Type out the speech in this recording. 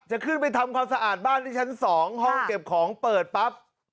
จะขึ้นไปทำความสะอาดบ้านที่ชั้น๒ห้องเก็บของเปิดปั๊บ